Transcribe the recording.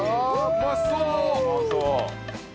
うまそう！